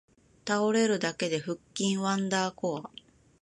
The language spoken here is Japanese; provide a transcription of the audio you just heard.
倒れるだけで腹筋ワンダーコア